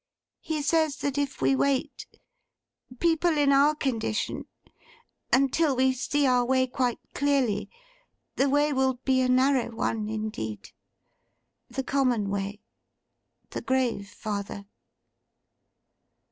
He says that if we wait: people in our condition: until we see our way quite clearly, the way will be a narrow one indeed—the common way—the Grave, father.